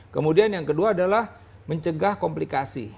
kemudian yang kedua adalah mencegah komplikasi